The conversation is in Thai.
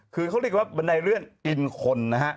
คือเขาเรียกว่าบันไดเลื่อนอินคนนะฮะ